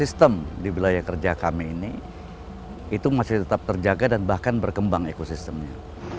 sehingga kita tetap terjaga dan bahkan berkembang ekosistemnya